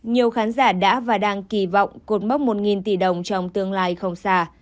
nhiều khán giả đã và đang kỳ vọng cột mốc một tỷ đồng trong tương lai không xa